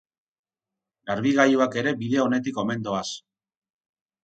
Garbigailuak ere bide onetik omen doaz.